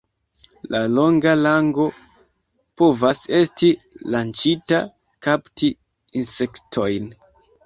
La longa lango povas esti lanĉita kapti insektojn.